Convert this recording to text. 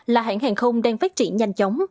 là hãng hàng không đang phát triển nhanh chóng